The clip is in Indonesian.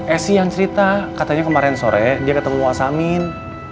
esy yang cerita katanya kemaren sore dia ketemu wa samin